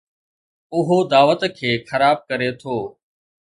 اهو دعوت کي خراب ڪري ٿو.